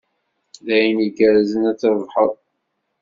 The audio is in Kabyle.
D ayen igerrzen ad trebḥed.